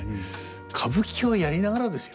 歌舞伎をやりながらですよ。